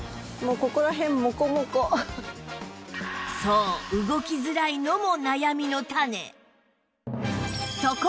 そう動きづらいのも悩みの種